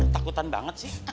takut banget sih